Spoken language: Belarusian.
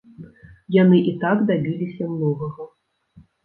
Яны і так дабіліся многага.